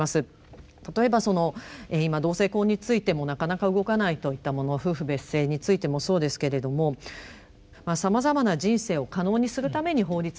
例えばその今同性婚についてもなかなか動かないといったもの夫婦別姓についてもそうですけれどもさまざまな人生を可能にするために法律があるのかですね